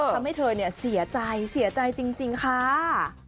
ทำให้เธอเสียใจเสียใจจริงค่ะ